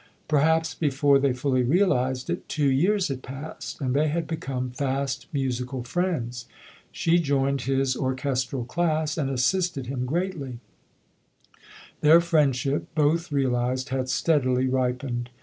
Perhaps before they fully realized it, two years had passed and they had become fast musi cal friends. She joined his orchestral class and assisted him greatly. SAMUEL, COLERIDGE TAYLOR [145 Their friendship, both realized, had steadily ripened.